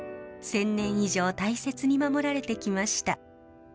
１，０００年以上大切に守られてきました。